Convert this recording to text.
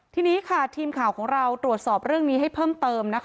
ทีนี้ค่ะทีมข่าวของเราตรวจสอบเรื่องนี้ให้เพิ่มเติมนะคะ